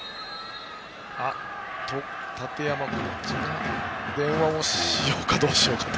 建山コーチが電話をしようかどうしようかと。